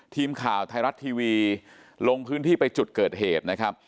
ทีมข่าวไทยรัฐทีวีลงพื้นที่ไปจุดเกิดเหตุนะครับ